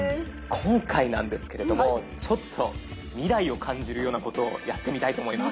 今回なんですけれどもちょっと未来を感じるようなことをやってみたいと思います。